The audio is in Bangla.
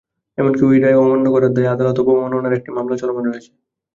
এমনকি এই রায় অমান্য করার দায়ে আদালত অবমাননার একটি মামলা চলমান রয়েছে।